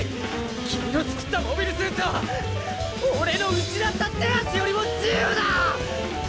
君の造ったモビルスーツは俺の失った手足よりも自由だ！